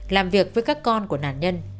làm việc với các con của nạn nhân